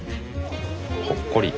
ほっこり。